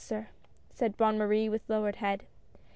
Sir," said Bonne Marie, with lowered head.